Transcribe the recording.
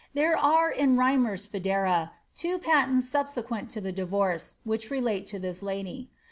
There are in Rymer's Foedera' two patents subsequent to the divorce, which relate to this lady.